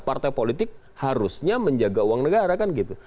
partai politik harusnya menjaga uang negara kan gitu